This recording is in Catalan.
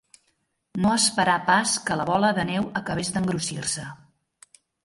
No esperà pas que la bola de neu acabés d'engrossir-se.